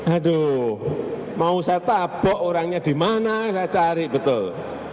aduh mau saya tabok orangnya di mana saya cari betul